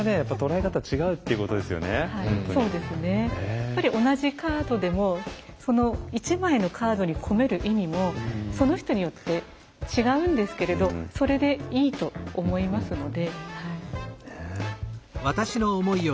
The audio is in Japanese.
やっぱり同じカードでも１枚のカードに込める意味もその人によって違うんですけれどそれでいいと思いますので。